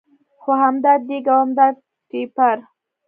خو همدا دېګ او همدا ټېپر.